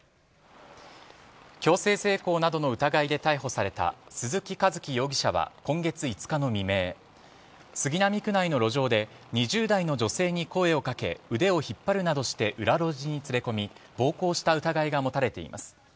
強制性交などの疑いで逮捕された鈴木寿樹容疑者は今月５日の未明杉並区内の路上で２０代の女性に声を掛け腕を引っ張るなどして裏路地に連れ込み暴行した疑いが持たれています。